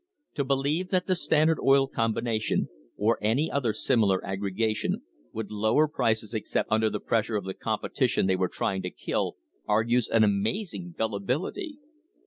To believe that the Standard Oil Combination, or any other similar aggregation, would lower prices except under the pressure of the competition they were trying to kill, argues an amazing gullibility.